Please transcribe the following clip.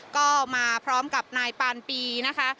ก็มาพร้อมกับนายปานปีนะคะ